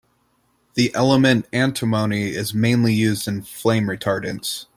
The element antimony is mainly used in flame retardants.